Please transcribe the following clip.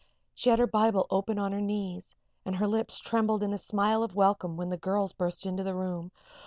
She had her Bible open on her knees and her lips trembled in a smile of welcome when the girls burst into the room.